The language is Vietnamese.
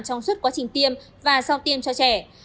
trong suốt quá trình tiêm và sau tiêm cho trẻ